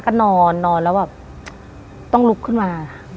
ก็นอนต้องลุกขึ้นมา